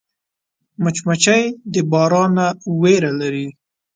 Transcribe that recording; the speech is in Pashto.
مچمچۍ د باران نه ویره لري